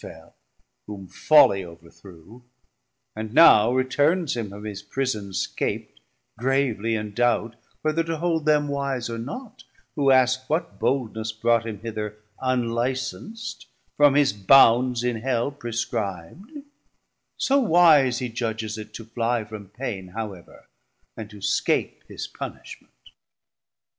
O loss of one in Heav'n to judge of wise, Since Satan fell, whom follie overthrew, And now returns him from his prison scap't, Gravely in doubt whether to hold them wise Or not, who ask what boldness brought him hither Unlicenc't from his bounds in Hell prescrib'd; So wise he judges it to fly from pain 910 However, and to scape his punishment.